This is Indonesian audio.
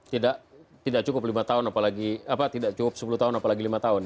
tidak cukup lima tahun apalagi tidak cukup sepuluh tahun apalagi lima tahun ya